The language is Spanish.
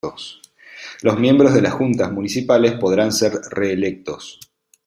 Los miembros de las Juntas Municipales podrán ser reelectos.